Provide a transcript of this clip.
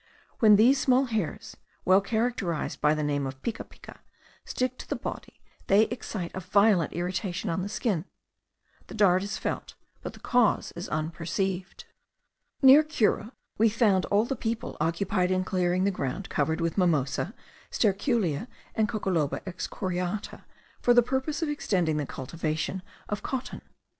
When these small hairs, well characterised by the name of picapica, stick to the body, they excite a violent irritation on the skin; the dart is felt, but the cause is unperceived. Near Cura we found all the people occupied in clearing the ground covered with mimosa, sterculia, and Coccoloba excoriata, for the purpose of extending the cultivation of cotton.